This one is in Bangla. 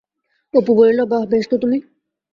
অপু বলিল, বাঃ, বেশ তো তুমি।